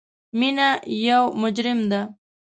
مینه یو مجرم ده